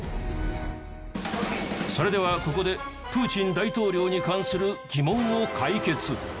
それではここでプーチン大統領に関する疑問を解決。